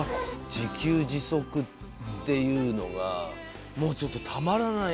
自給自足っていうのがもうちょっとたまらない。